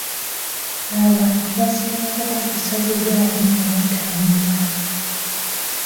Abantu basinga kukozesa bugaali nga batambula.